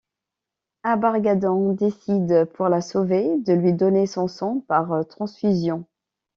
Abargadon décide pour la sauver de lui donner son sang par transfusion.